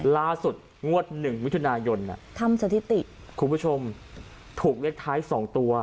ล่าสุดงวดหนึ่งมิถุนายนทำสถิติคุณผู้ชมถูกเลขท้ายสองตัว